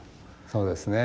そうですね。